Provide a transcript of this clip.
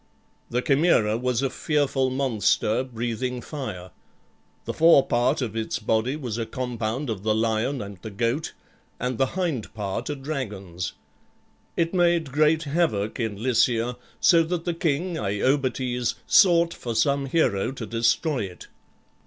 The Chimaera was a fearful monster, breathing fire. The fore part of its body was a compound of the lion and the goat, and the hind part a dragon's. It made great havoc in Lycia, so that the king, Iobates, sought for some hero to destroy it.